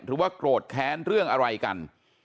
หรือว่าโกรธแค้นเรื่องอะไรกัน